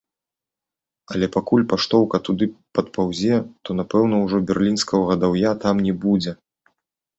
Але пакуль паштоўка туды падпаўзе, то напэўна ўжо берлінскага гадаўя там не будзе.